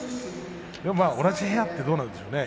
同じ部屋ってどうなんでしょうね。